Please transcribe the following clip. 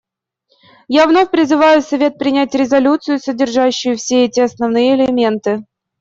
Я вновь призываю Совет принять резолюцию, содержащую все эти основные элементы.